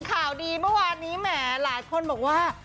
ข่าวดีเมื่อวานนี้แหมหลายคนบอกว่า